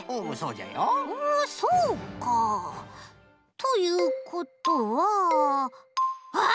うんそうか。ということはあっ！